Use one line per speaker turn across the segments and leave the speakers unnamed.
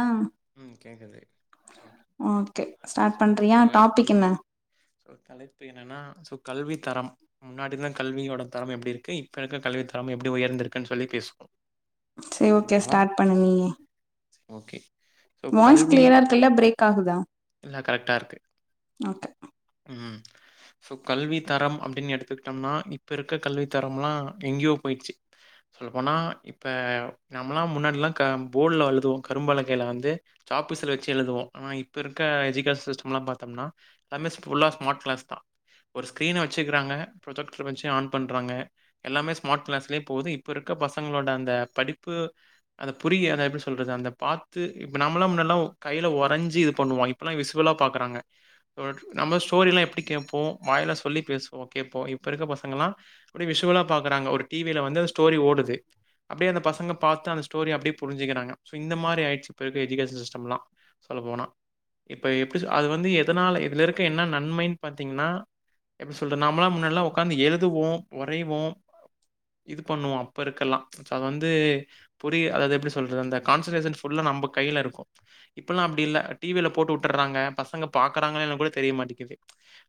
ஆ
ம். கேக்குது. It's okay.
Okay start பண்றியா டாபிக் என்ன
ஸோ தலைப்பு என்னன்னா ஸோ கல்வி தரம் முன்னாடிலா கல்வியோட தரம் எப்டி இருக்கு இப்போ இருக்க கல்வி தரம் எப்டி உயர்ந்திருக்குன்னு சொல்லி பேசுவோ
சேரி ஓகே ஸ்டாட் பண்ணு நீயே
ஓகே சோ
வாய்ஸ்
கல்வி
க்ளியரா இருக்குல்ல பிரேக் ஆகுதா
இல்ல கரெக்ட்டா இருக்கு.
ஒகே
ம் ஸோ கல்வி தரம் அப்டின்னு எடுத்துக்கிட்டோம்னா இப்ப இருக்க கல்வி தரம்லாம் எங்கேயோ போயிட்ச்சு சொல்லப்போனா இப்போ நம்மல்லா முன்னாடிலா க போர்டுல எழுதுவோ கரும்பலகையில வந்து சாக்பீஸில வச்சு எழுதுவோ ஆனா இப்போ இருக்க எஜுகேஷன் சிஸ்டம்லா பாத்தோம்னா எல்லாமே சி ஃபுல்லா ஸ்மார்ட் கிளாஸ் தான் ஒரு ஸ்கிரீனை வச்சுக்கிறாங்க ப்ரொஜெக்டர் வச்சு ஆன் பண்றாங்க எல்லாமே ஸ்மார்ட் கிளாஸ்லயே போகுது இப்போ இருக்க பசங்களோட அந்த படிப்பு அந்த புரியி அத எப்படி சொல்றது அந்த பாத்து இப்போ நம்மளாம் முன்னெல்லாம் கையில வரைஞ்சி இது பண்ணுவோம் இப்போல்லாம் விசுவலாக பாக்குறாங்க நம்ம ஸ் ஸ்டோரில்லாம் எப்படி கேட்போ வாயிலாம் சொல்லி பேசுவோம் கேட்போம் இப்ப இருக்க பசங்கல்லாம்ப் விஷுவலா பாக்கறாங்க ஒரு டிவியில வந்து அந்த ஸ்டோரி ஓடுது அப்படியே அந்த பசங்க பாத்து [unintelligible] ஸ்டோரி அப்படி புரிஞ்சுக்கிறாங்க சோ இந்த மாதிரி ஆயிச்சு இப்ப இருக்குற எஜுகேஷன் சிஸ்டம்லாம் சொல்ல போனா இப்ப எப்டி சொ அது வந்து எதனால இதுல இருக் க்கு என்ன நன்மைன் பாத்தீங்கன்னா எப்டி சொல்றது நம்மளாம் முன்னெல்லாம் உக்காந்து எழுதுவோம் வரைவோம் இது பண்ணுவோ அப்ப இருக்கு எல்லா சோ அது வந்து புரிய அதாவது எப்டி சொல்றது அந்த கான்சன்ட்ரேஷன் ஃபுல்லா நம்ப கைல இருக்கும் இப்பல்லா அப்டி இல்ல டிவியில போட்டு விட்டர்றாங்க பசங்க பாக்கறாங்களா இல்லயானு கூட தெரிய மாட்டேங்கிது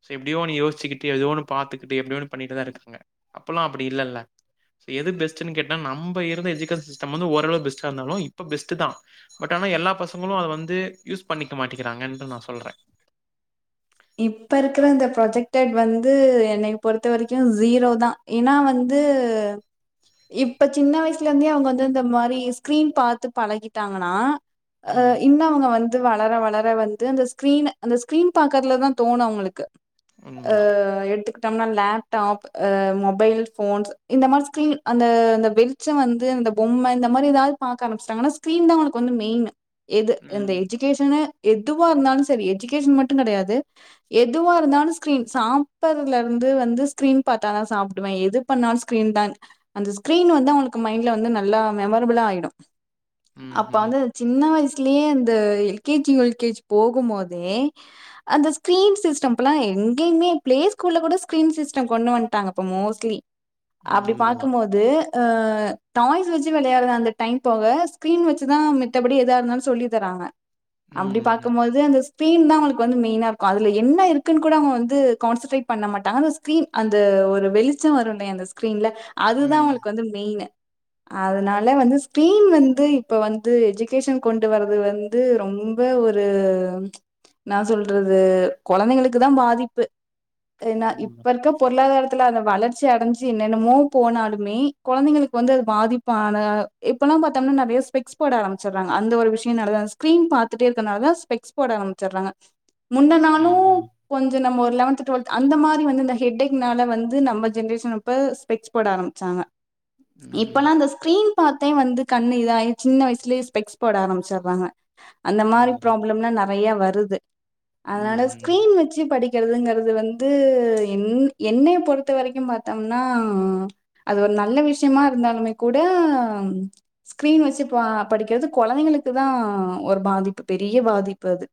சோ எப்டியோ ஒன்னு யோசிச்சுக்கிட்டு ஏதோ ஒன்னு பாத்துக்கிட்டு எப்டியோ ஒன்னு பண்ணிட்டுதா இருக்காங்க அப்பல்லா அப்டி இல்ல இல்ல சோ எது பெஸ்ட் ச்சுன்னு கேட்டா நம்ப இருந்த எஜுகேசன் சி்ஸ் ச நம்ம வந்து ஓரளவு பெஸ்டா இருந்தாலு இப்ப பெஸ்ட்டுதா பட் ஆனா எல்லா பசங்களு அத வந்து யூஸ் பண்ணிக்க மாட்டிங்கிறாங்கன்னு நா சொல்றே
இப்ப இருக்கிற இந்த ப்ரொஜெக்டட் வந்து என்க்கு பொறுத்த வரைக்கும் ஜீரோ தான் ஏன்னா வந்து இப்ப சின்ன வயசுல இருந்தே அவங்க வந்து இந்த மாதிரி ஸ்கிரீன் பாத்து பழகி ட்டாங்கன்னா ஆ
ம்.
இன்ன அவங்க வந் ந்து வளர வளர வந்து அந்த ஸ்கிரீன் அந்த ஸ்கிரீன் பாக்குறதுலதான் தோணும் அவங்களுக்கு
உண்மதான்.
அஹ் எடுக்கு த்தாங்னா லேப்டாப் ஆ மொபைல் ஃபோன்ஸ் இந்த மாரி ஸ்கிரீன் அந்த அந்த வெளிச்சோ வந்து அந்த பொம்மை இந்த மாரி ஏதாவது பாக்க ஆரம்பிச்சாட்டங்னா சீன்தா உனக்கு வந்து மெயினு எது இந்த
ம்.
எஜுகேஷனு எதுவாருந்தாலும் சரி எஜுகேஷன் மட்டும் கெடையாது எதுவா இருந்தாலும் ஸ்கிரீன் சாப்றல இருந்து வந்து ஸ்கிரீன் பாத்தாதான் சாப்பிடுவேன் எது பண்ணாலும் ஸ்கிரீன் தான் அந்த ஸ்கிரீன் வந்து அவளுக்கு மைண்ட்ல வந்து நல்லா மெமரபிளா ஆயிடும் அப்ப
ம்ஹ்ம்.
வந்து சின்ன வயசு ட்லயே அந்த L K G U K G போகும் போதே அந்த ஸ்கிரீன் சிஸ்டம் இப்பல்லா எங்கேயுமே பிளே ஸ்கூல்ல கூட ஸ்கீரீன் சிஸ்டம் கொண்டு வன்ட்டாங்க இப்ப மோஸ்ட்லி
ம்.
அப்டி
உண்மதான்.
பாக்கும்போது டாய்ஸ் வச்சு விளையாடுது அந்த டைம் போங்க ஸ்கிரீன் வச்சுதா மித்தபடி எதா இருந்தாலு சொல்லித் தராங்க அப்டி
ம் ம்
பாக்கும்போது அந்த ஸ் ஸ்கிரீன் தான் அவங்களுக்கு வந்து மெயினா இருக்கும் அதுல என்ன இருக்குன்னு கூட அவங்க வந்து கான்சன்ட்ரேட் பண்ண மாட்டாங்க அந்த ஸ்கிரீன் அந்த ஒரு வெளிச்சம் வரும்லே அந்த ஸ்கிரீன்ல அதுதா
ம்
உங்களுக்கு வந்து மெயினு அதனால வந்து ஸ்கிரீன் வந் து இப்ப வந்து எஜுகேஷன் கொண்டு வர்றது வந்து ரொம்ப ஒரு என்னா சொல்றது கொழந்தைகளுக்குதா பாதிப்பு என்ன இப்ப
உண்மதான்
இருக்க பொருளாதாரத் அந்த வளர்ச்சி அடைஞ்சு என்னென்னமோ போனாலுமே கொழந்தைகளுக்கு வந்து அது பாதிப்பான இப்பல்லாம் பாத் நிறைய ஸ்பெக்ஸ் போட ஆரம்பிச்சறா அந்த ஒரு விஷயம் ஸ்கிரீன் பாத்துகிட்டேருக்கறனாலதான் ஸ்பெக்ஸ் போட ஆரம்பிச்சறாங்க முன்ன நாளும்
ம்
கொஞ்ச நம்ம ஒரு லெவன்த் டுவல்த் அந்த மாரி வந்து இந்த ஹெடேக்னால வந்து நம்ம ஜென்ரேஷன் இப்ப ஸ்பெ் போட ஆரம்பிச்சாங்க
ம் ம்
இப்ல்லாம் அந்த ஸ்கிரீன் பாத்தேன் வந்து கண்ணு இத சின்ன வயசுலயேஸ்பெக்ஸ் போட ஆரச்சிடுறாங்க அந்த மாரி
உண்மதான்
ப்ராப்ளம்னாம் ந வையா வருது அதனால
ம்
ஸ்கிரீன் வச்சு படிக் இருக்கிறதுங்கிறது வந்து என் என்னைய பொறுத்த வரைக்கும் பாத்தோம்னா அது ஒரு நல்ல விஷயமா இருந்தாலுமே கூட ஸ்கிரீன் வச்சு பா படிக்கிறது கொழந்தைங்களுக்கு தான் ஒரு பாதிப்பு பெரிய பாதிப்பு அது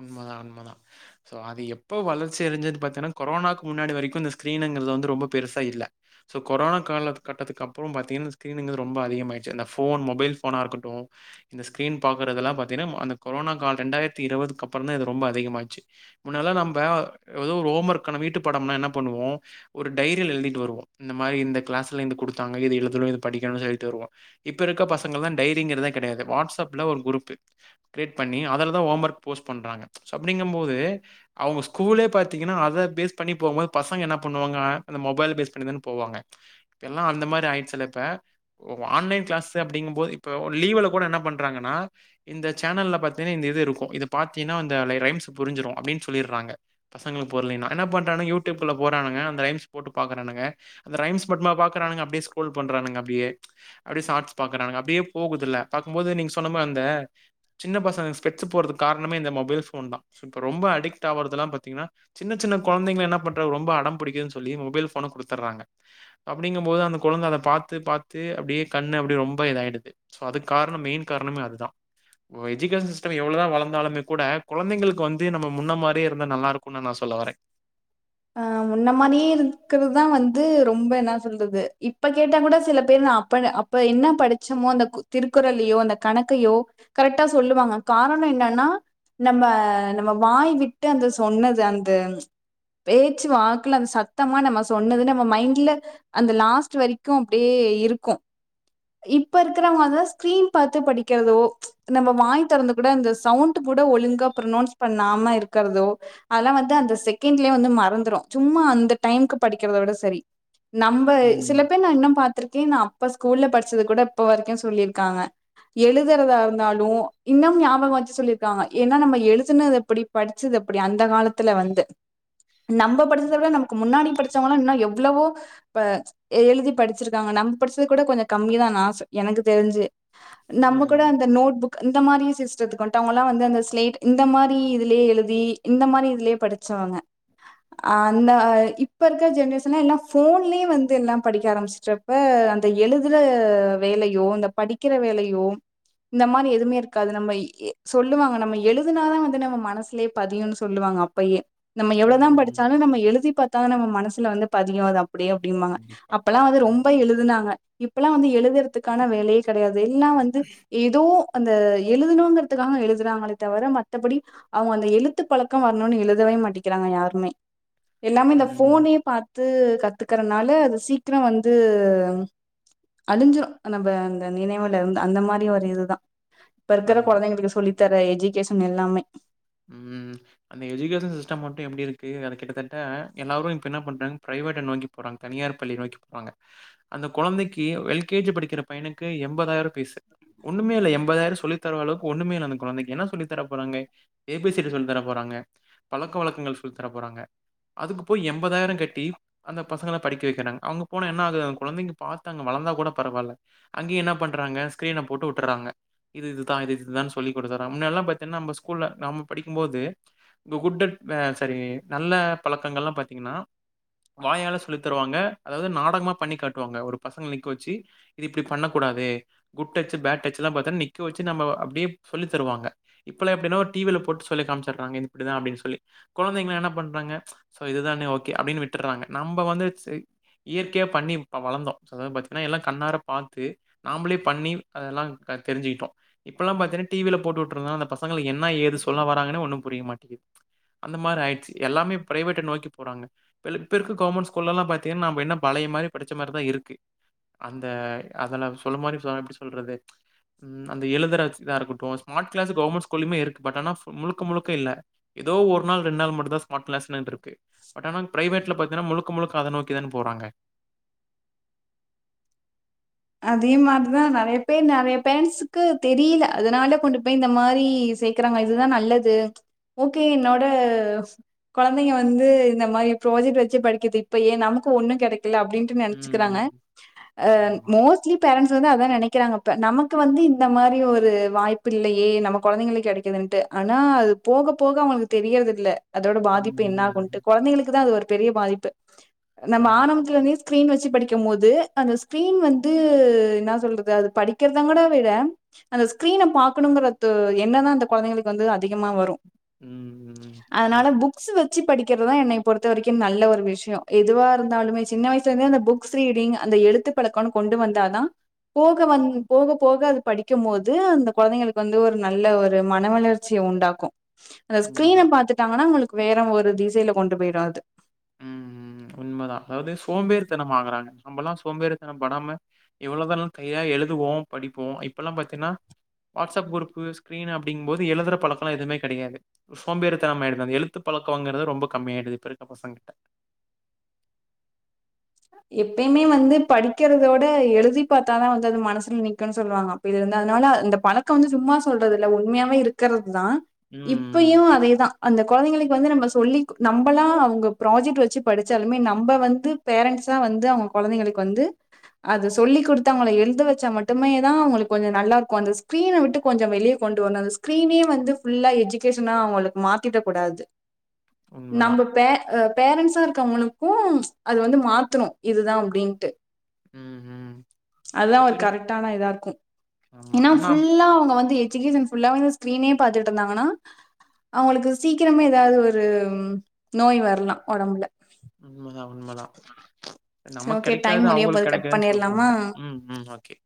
உண்மதான் உண்மதான் சோ அது எப்ப வளர்ச்சி அரிஞ்சது பாத்தீங்கன்னா கொரோனாக்கு முன்னாடி வரைக்கும் இந்த ஸிரீன்ங்கது வந்து ரொம்ப பெருசா இல்ல சோ கொரோனா கால கட்டது அப்பறம் பத்தீங்கன்னா ஃகிறீனுக்குறது ரொம்ப அதிகம் யிச்சு அந்த மொபைல் போனா இருக்கட்டும் இந்த ஸ்கிரீன் பாரதல்லாம் பாத்தீங்கன்னா அந்த கொரோனா கால் ரெண்டாயிறது இருபது கப்பரம் தான் ரொம்ப அதிகமாச்சு முன்னல நம்ப ஏதோ ஒரு ஹோம் ஒர்க்காண வீட்டுப்பாடம்னா என்ன பண்ணுவோம் ஒரு டைரியில எழுதிட்டு வருவோம் இந்த மாரி இந்த கிளாஸ் இத்து குடுத்தாங்க இது எழுதணும் இது படிக்கணும் எழுதிட்டு வந்துருவோம் இப்ப இருக்க பசங்கள இந்த டைரிங்குறதே கெடையாது வாட்ஸ் அப்ல ஒரு குரூபு அதுல கிரியேட் இந்த பண்ணி அதுல தான் ஹோம் ஒர்க் போஸ்ட் பண்றாங்க சோ அப்டிங்கும் போது அவங்க ஸ்கூலே பாத்தீங்கன்னா அத பேஸ் பண்ணி போகும்போது பசங்க என்ன பண்ணுவாங்க அந்த மொபைல் பேஸ் பண்ணி தான் போவாங்க இப்ப எல்லாம் அந்த மாரி ஆயிடுச்சு சில இப்போ ஆன்லைன் கிளாஸ் அப்டிங்கும் போது இப்போ லீவல கூட என்ன பண்றாங்கன்னா இந்த சேனலில பாத்தீங்கன்னா இந்த இது இருக்கும் இ பாத்தினா அந்த ரைம்ஸ் புரிஞ்சிரும் அப்டினு சொல்லிறாங்க பசங்களுக்கு புரிலான என்ன பண்றாங்க யூடுபுல போறானுக அத ரைம்ஸ் போட்டு பாக்குறானுங்க அந்த ரைம்ஸ் மட்டுமா பாக்கிறானுங்க அப்டியே ஸ்கூரோல் பண்றாங்க அப்டியே ஷார்ட்ஸ் பாக்கறாங்க அப்டியே போகுது இல்ல பாக்கும்போது நீங்க சொன்ன மாரியே சின்ன பசங்க ஸ்பெக்ஸ் காரணமே இந்த மொபைல் போன் தான் இப்போ ரொம்ப அடிக்ட் ஆவறது பாத்தீங்கன்னா சின்ன சின்ன கொழந்தைகளா என்ன பன்ரக ரொம்ப அடம் பிடிக்குதுன்னு சொல்லி மொபைல் போன கொடுத்துடறாங்க அப்டிங்கும் போது அந்த அத பாத்து பாத்து கண்ணு அப்டியே இதாயிடுது சோ அதுக்கு காரணமே மெயின் காரணமே அததான் எஜுகேஷன் சிஸ்டம் எவ்வளவுதான் வளர்ந்தாலும் இருந்தாலுமே கூட கொழந்தைங்களுக்கு வந்து நம்ம முன்ன மாரியே இருந்த நல்லா இருக்கும்னு நான் சொல்ல வறேன்
ஆ முன்ன மாரியே இருக்கிறதுதான் வந்து ரொம்ப என்ன சொல்றது இப்ப கேட்டா கூட சில பேர் நான அப்ப அப்ப என்ன படிச்சமோ அந்த திருக்குறளையோ அந்த கணக்கையோ கரெக்டா சொல்லுவாங்க காரணம் என்னன்னா நம்ம நம்ம வாய் விட்டு அந்த சொன்னது அந்த பேச்சு வாக்கல அந்த சத்தமா நம்ம சொன்னது நம்ம மைண்ட்ல அந்த லாஸ்ட் வரைக்கும் அப்டியே இருக்கும் இப்ப இருக்கிறவங்கதான் ஸ்கிரீன் பாத்து படிக்கிறதோ நம்ம வாய் திறந்து கூட அந்த சவுண்ட் கூட ஒழுங்கா ப்ரனௌன்ஸ் பண்ணாம இருக்கிறதோ அதெல்லாம் வந்து அந்த செகண்ட்லய வந்து மறந்துடும் சும்மா அந்த டைமு்க படிக்கிறத ஓட சரி நம்ம சில
ம்.
பேர் நான இன்னும் பா்த்திருக்கேன் நான இப்ப ஸ்கூல்ல படிச்சது கூட இப்ப வரைக்கும் சொல்லிருக்காங்க எழுதுறதா இருந்தாலும் இன்னும் ஞாபகம் வச்சு சொல்லியிருக்காங்க ஏன்னா நம்ம எழுதுனது அப்படி படிச்சது அப்படி அந்த காலத்துல வந்து நம்ம படிச்சத விட நமக்கு முன்னாடி படிச்சவங்களாம் இன்னும் எவ்வளவோ எழுதி படிச்சிருக்காங்க நம்ம படிச்சது கூட கொஞ்சம் கம்மிதான்ன் ஆச எனக்கு தெரிஞ்சு நம்ம கூட
ம்.
அந்த நோட் புக்க இந்த மாரி சிஸ்டத்துக்கு வந்துட்டுவங்கல்லாம் வந்து அந்த ஸ்லேட் இந்த மாரி இதுலயே எழுதி இந்த மாரி இதுலயே படிச்சங்க அந்த இப்ப இருக்கிற ஜென்ரேஷன் என்ன எல்லாம் போன்லயே வந்து எல்லாம் படிக்க ஆரம்பிச்சப்ப அந்த எழுதுற வேலையோ அந்த படிக்கிற வேலையோ இந்த மாரி எதுவுமே இருக்காது நம்ம சொல்லுவாங்க நம்ம எழுதுனாதான் வந்து நம்ம மனசுலே பதியும்ன்னு சொல்லுவாங்க அப்பயே நம்ம
ம்.
தான்
ம்.
படிச்சால நம்ம எழுதி பாத்தா நம்ம மனசுல வந்து பதியும் அப் அப்படியே அப்படிம்பாங்க
கண்டிப்பா.
அப்பல்லாம் வந்து ரொம்ப
ம்.
எழுதுனாங்க இப்பல்லாம் வந்து எழுதுறதுக்கான வேலையே கெடையாது எல்லாம் வந்து ஏதோ அந்த எழுதணுங்கிறதுக்காக எழுதுறாங்களே தவிர மற்றத்தபடி அவங்க அந்த எழுத்து பழக்கம் வரணும்னு எழுதவே மாட்டேிக்கிறாங்க யாரும் உமே எல்லாமே இந்த
ம்.
போனே பாத்து கத்துக்கறனால அது சீக்கிரம் வந்து அழிஞ்சிடும் நம்ம அந்த நினைவுல இருந்து அந்த மாரி ஒரு இதுதான் இப்ப இருக்கிற
ஆமா.
கொழந்தைங்களுக்கு சொல்லித்தர ஏஜிகேஷன் எல்லாமே
ம் அந்த எஜுகேஷன் சிஸ்டம் மட்டும் எப்டி இருக்கு அது கிட்டத்தட்ட எல்லாரும் இப்ப என்ன பண்றாங்க பிரைவேட்ட நோக்கி போறாங்க தனியார் பள்ளி நோக்கி போறாங்க அந்த கொழந்தைக்கு எல் கே ஜி படிக்கிற பையனுக்கு எண்பதாயிரம் பீசு ஒண்ணுமே இல்ல எண்பதாயிரம் சொல்லி தர அளக்கு ஒண்ணமே இல்ல அந்த கொழந்தைக்கு என்ன சொல்லி தர போறாங்க ஏ பி சி டி சொல்லி தர போறாங்க பழக்க வழக்கங்கள் சொல்லி தர போறாங்க அதுக்கு போய் எண்பதாயிரம் கட்டி அந்த பசங்கள படிக்க வைக்கிறாங்க அவங்க போனா என்ன ஆகுதுங்க கொழந்தைங்க பாத்தாங்க வளர்ந்தா கூட பரவில்ல அங்கய என்ன பண்றாங்க ஸ்கிரீன போட்டு விட்டுறாங்க இது இதுதான் இது இதுான்னு சொல்லி கொடுத்தறங்க முன்னல்லாம் பாத்தீங்கன்னா நம்ப ஸ்கூ ல்ல நம்ப படிக்கும்போது இப்போ குட் அண்ட் பேட் செரி நல்ல பழக்கங்கள் எல்லாம் பா்த்தீங்கன்னா வாயால சொல்லி தருவாங்க அதாவது நாடகமா பண்ணி காட்டுவாங்க ஒரு பசங்க நிக்க வச்சு இது இப்டி பண்ணக்கூடாது குட் டச்ச பேட் டச்ச வச்சு நம அப்டியே சொல்லி தருவாங்க இப்ப ன்னவோ டிவில போட்டு சொல்லி காமிச்சிடறாங்க இப்டித்தான் அப்படின்னு சொல்லி கொழந்தைகளும் என்ன பண்றாங்க இதுதானே ஓகே அப்படினு விட்டுறாங்க நம்ம வந்து இயற்கையா பண்ணி வளர்ந்தோம் அதா பாத்தீங்கன்னா கண்ணார பார்த்து நாமலே பண்ணி அதல தெரிஞ்சுகிட்டோம் இப்ப எல்லாம் பாத்தீங்கன்னா டிவில போட்டு விடுறேனால பசங் ங்களுக்கு என்ன ஏது சொல்ல வராங்கன்னே ஒன்னும் புரிய மாட்டேது அந்த மாரி ஆயிடுச்சு எல்லாமே பிரவேட்ட நோக்கி போறாங்க இப்ப இருக்க கவுமெண்ட் ஸ்கூலும் பாத்தீங்கன்னா என்ன பழய மாரி படிச்ச மாரிதான் இருக்கு அந்த அதல சொல்ல மாரி எப்டி சொல்றது அந்த எழுதுற இதா இருக்கட்டும் ஸ்மார்ட் கிளாஸ் கவர்மெண்ட் கொலுமே இருக்கு பட் ஆனா முழுக்க முழுக்க இல்ல ஏதோ ஒரு நாள் ரெண்டு நாள் மட்டும் தான் ஸ்மார்ட்ல இருக்கு பட் ஆனா பிரைவேட்ல பாத்தீங்கன்னா முழுக்க முழுக்க அத நோக்கிதான் போறாங்க
அதே மாரிதான் நெறைய பேர் நெறைய பேரண்ட்ஸ்கக்கு தெரியல அதனால கொண்டு போய் இந்த மாரி சேர்க்கறாங்க இதுதான் நல்லது ஓகே என்னோட கொழந்தைங்க வந்து இந்த மாரி ப்ராஜெக்ட் வச்சு படிக்கது இப்ப ஏன் நமக்கு ஒண்ணும் கிடை அப்பிடின்ட்டு
ம்.
நெனச்சுக்கிறாங்க
ம்.
அஹ்
ஆமா.
ச்சலி பேரண்ட்ஸ் வந்து அதான் நெனைக்கிறாங்கப்ப நமக்கு வந்து இந்த மாரி ஒரு வாய்ப்பு இல்லையே நம்ம கொழந்தைங்களுக்கு கெடைக்கலன்டு ஆனா அது போக போக அவங்களுக்கு தெரியறது இல்ல அதோட
ம்.
பாதிப்பு என்ன ஆகுன்ட்டு
ம்.
கொழந்தைகளுக்கு தான் அது ஒரு பெரிய பாதிப்பு நம்ம
ஆமா.
ஆனம்பத்துல இருந்தே ஸ்கிரீன் வச்சு படிக்கும் போது அந்த ஸ்கிரீன் வந்து அது என்ன சொல்றது அது படிக்கிறதா கூட விட அந்த ஸ்கிரீன பாக்கணுங்கற எண்ண தான் அந்த கொழந்தைங்களுக்கு வந்து அதிகமா வரும்
ம். ம்.
அதனால
ஆமா.
புக்ஸ் வச் ச்சி படிக்கிறதுதான் என்னை பொறுத்த வரைக்கும் நல்ல ஒரு விஷயம் எதுவா இருந்தாலுமே சின்ன வயசுல இரு அந்த புக்ஸ் ரீடிங் அந்த எழுத்து பழக்கம் கொண்டு வந்தாதான் போக வந் போக போக அது படிக்கும் போது அந்த கொழந்தைங்களுக்கு வந்து ஒரு நல்ல ஒரு மன வளர்ச்சிய உண்டாக்கும் அந்த
உண்மதான்.
ஸ்க்ரீன்ன பாத்துட்டாங்கன்னா உங்களுக்கு வேற ஒரு திசையில கொண்டு போயிடும் அது
உம் உண்மதான் அதாவது சோம்பேறித்தனம் ஆகுறாங்க நம்மல்லாம் சோம்பேறித்தனம் படாம எவ்வளவுதானும் கைல எழுதுவோம் படிப்போம் இப்பெல்லாம் பாத்தீங்கன்னா வாட்ஸ்அப் குரூப்பு ஸ்கிரீன் அப்படிங்கும் போது எழுதுற பழக்கம் எதுவுமே கெடையாது சோம்பேறித்தனம் ஆயிடுது அந்த எழுத்து பழக்கங்கறத ரொம்ப கம்மியாயிடுது இப்பெறக்க பசங்க கிட்ட
எப்பயுமே வந்து படிக்கிறதோட எழுதி பாத்தாதான் வந்து அது மனசுல நிக்கும்னு சொல்லுவாங்க அப்ப இது இருந்து அதனால அந்த பழக்கம் வந்து சும்மா சொல்றது இல்ல உண்மயாவே இருக்றதுதான்
ம்.
இப்பயும் அதேதான் அந்த கொழந்தைங் வந்து நம்ம சொல்லி நம்மல்லாம் அவங்க ப்ராஜெக்ட் வச்சு படிச்சாலுமே நம்ம வந்து பேரண்ட்ஸா வந்து அவங்க கொழந்தைங்களுக்கு வந்து அத சொல்லி் கொடுத்து அவங்களளை எழுத வச்சா மட்டுமே தான் அவங்களுக்கு கொஞ்சம் நல்லா இருக்கும் அந்த ஸ்கிரீன விட்டு கொஞ்சம் வெளியே கொண்டு வரணும் அந்த ஸ்கிரீனே வந்து ஃபுல்லா எஜ்கேஷனா அவங்களுக்கு மாத்திட கூடாது
உண்மதான்.
நம்ப பே அஹ் பேரண்ட்ஸா இருக்க அவுங்களுக்கும் அது வந்து மாத்தணும் இதுதான் அப்டின்ட்டு
ம். ம்
அதுதான்
இப்ப
ஒரு
இருக்
கரெக்டான இதா இருக்கும்
ஆமா.
ஏன்னா
ஆனா
ஃபுல்லா அவங்க வந்து எஜிகேஷன்புல்லா ஸ்கிரீனே பாத்துட்டு இருந்தாங்கன்னா அவங்களுக்கு சீக்கிரமே ஏதாவது ஒரு நோய் வரலாம் ஒடம்புல
உண்மதான், உண்மதான்
சரி
நமக்கு
ஓகே டைம்
கெடைக்காது
முடிய
அவங்களுக்கு
போது கட்
கெடைக்லன்னு
பண்ணிரலாமா
சொல்றாங்க உம் உம் ஓகே